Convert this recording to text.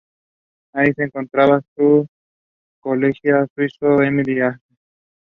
John Alexander Smylie was educated at various public schools.